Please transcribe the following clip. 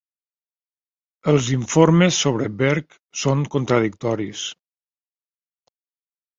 Els informes sobre Berg són contradictoris.